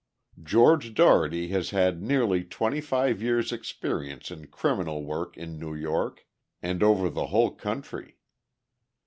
George Dougherty has had nearly twenty five years' experience in criminal work in New York, and over the whole country.